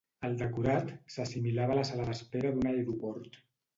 El decorat s'assimilava a la sala d'espera d'un aeroport.